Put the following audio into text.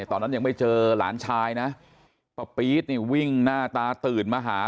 ตอนนั้นยังไม่เจอหลานชายนะป้าปี๊ดนี่วิ่งหน้าตาตื่นมาหา